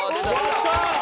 やった！